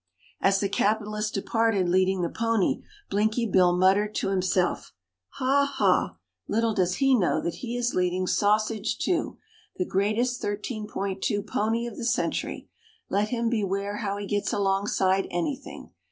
As the capitalist departed leading the pony, Blinky Bill muttered to himself, "Ha! ha! Little does he know that he is leading Sausage II., the greatest 13.2 pony of the century. Let him beware how he gets alongside anything.